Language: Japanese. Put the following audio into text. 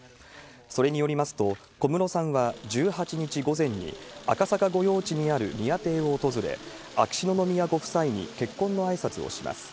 それによりますと、小室さんは１８日午前に赤坂御用地にある宮邸を訪れ、秋篠宮ご夫妻に結婚のあいさつをします。